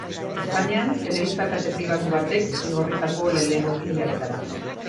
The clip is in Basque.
Espainian telebista-kate pribatu batek igorritako lehenengo lehiaketa da.